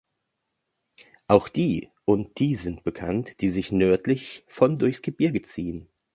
Auch die und die sind bekannt, die sich nördlich von durchs Gebirge ziehen.